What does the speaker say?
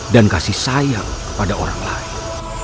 dan kasih sayang kepada orang lain